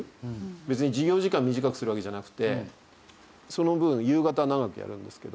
別に授業時間短くするわけじゃなくてその分夕方長くやるんですけど。